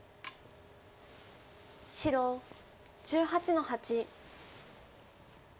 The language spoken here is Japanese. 白１８の八。